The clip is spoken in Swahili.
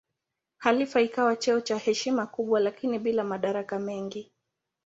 Khalifa ikawa cheo cha heshima kubwa lakini bila madaraka mengi.